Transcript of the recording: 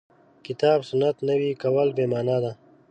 کتاب سنت نوي کول بې معنا ده.